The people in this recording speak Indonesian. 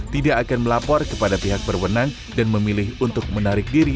tidak akan melapor kepada pihak berwenang dan memilih untuk menarik diri